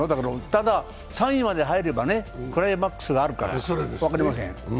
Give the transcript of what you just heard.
ただ３位まで入ればクライマックスがあるから分かりません。